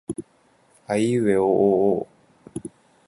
あいうえおおお